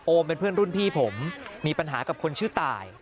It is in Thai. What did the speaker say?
เป็นเพื่อนรุ่นพี่ผมมีปัญหากับคนชื่อตาย